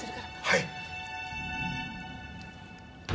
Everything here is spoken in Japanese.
はい。